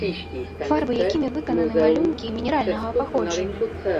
Фарбы, якімі выкананы малюнкі, мінеральнага паходжання.